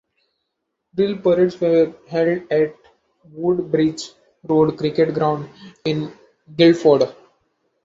Drill parades were held at the Woodbridge Road cricket ground in Guildford.